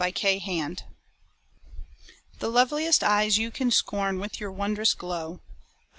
Bertha's Eyes The loveliest eyes you can scorn with your wondrous glow: O!